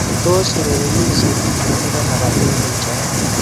Tos, urerenishet ngiro nebo labatet niichame?